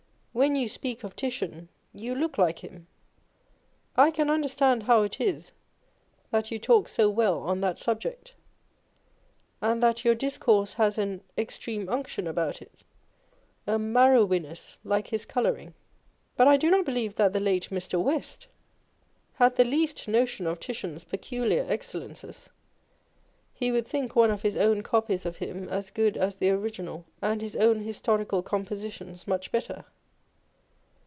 â€" When you speak of Titian, you look like him. I can understand how it is that you talk so well on that subject, and that your discourse has an extreme unction about it, a marrowiness like his colouring. But I do not believe that the late Mr. West had the least notion of Titian's peculiar excellences â€" he would think one of his own copies of him as good as the original, and his own historical compositions much better.